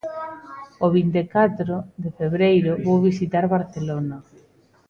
O vinte e catro de febreiro, vou visitar Barcelona.